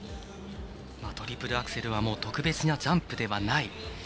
トリプルアクセルはもう特別なジャンプではない。